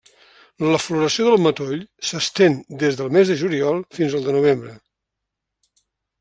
La floració del matoll s'estén des del mes de juliol fins al de novembre.